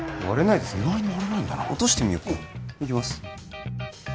意外に割れないんだな落としてみようかいきます